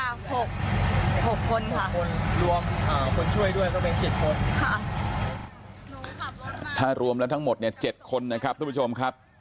รวมคนช่วยด้วยก็เป็น๗คนถ้ารวมแล้วทั้งหมด๗คนนะครับทุกผู้ชมครับ